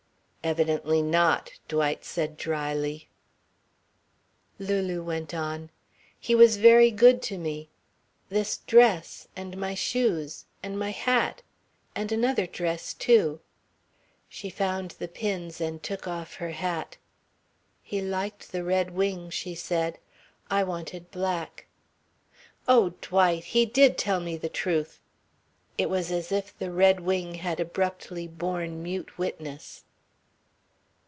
"Evidently not," Dwight said drily. Lulu went on: "He was very good to me. This dress and my shoes and my hat. And another dress, too." She found the pins and took off her hat. "He liked the red wing," she said. "I wanted black oh, Dwight! He did tell me the truth!" It was as if the red wing had abruptly borne mute witness.